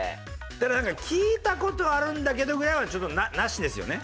だからなんか聞いた事あるんだけどぐらいはちょっとなしですよね。